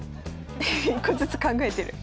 １個ずつ考えてる。